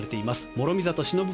諸見里しのぶ